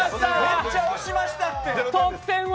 めっちゃ押しました。